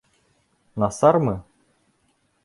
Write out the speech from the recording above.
— Насармы?